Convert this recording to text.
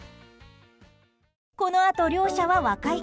このあと、両者は和解。